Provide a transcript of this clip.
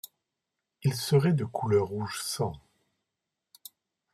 Il serait de couleur rouge sang.